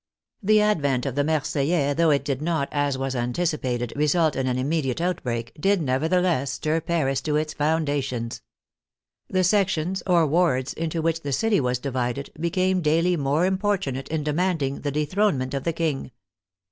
The advent of the Marseillais, though it did not, as was anticipated, result in an im mediate outbreak, did, nevertheless, stir Paris to its foun dations. The sections, or wards, into which the city was divided, became daily more importunate in demanding the dethronement of the King.